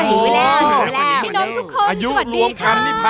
พี่น้องทุกคนสวัสดีค่ะ